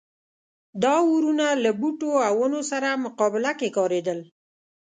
دا اورونه له بوټو او ونو سره مقابله کې کارېدل.